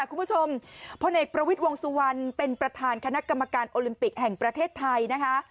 คุณผู้ชมพลเอกประวิทย์วงสุวรรณเป็นประธานคณะกรรมการโอลิมปิกแห่งประเทศไทยนะคะ